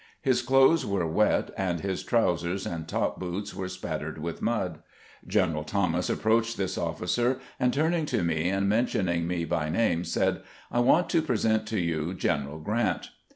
His clothes were wet, and his trousers and top boots were spattered with mud. General Thomas approached this officer, and, turning to me and mentioning me by name, said, " I want to pre sent you to General Grant."